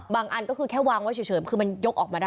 อันก็คือแค่วางไว้เฉยคือมันยกออกมาได้